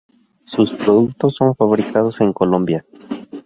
Sus productos son fabricados en Colombia.